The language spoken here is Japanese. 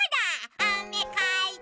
「あめかいて」